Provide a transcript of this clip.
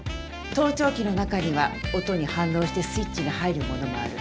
盗聴器の中には音に反応してスイッチが入るものもある。